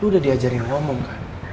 udah diajarin ngomong kan